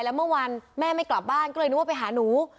แล้วเมื่อวันแม่ไม่กลับบ้านก็เลยนึกว่าไปหาหนู